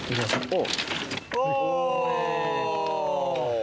お！